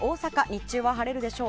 日中は晴れるでしょう。